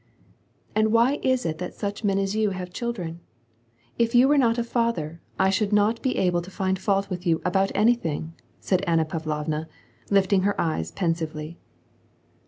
" And why is it that such men as you have children ? If jou were not a father, I should not be able to find fault with you about anything," said AnnaPavlovna, lifting her eyes pen sively.